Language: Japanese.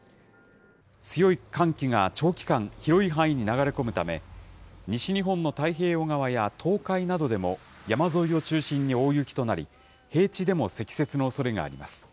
強い寒気が長期間、広い範囲に流れ込むため、西日本の太平洋側や東海などでも、山沿いを中心に大雪となり、平地でも積雪のおそれがあります。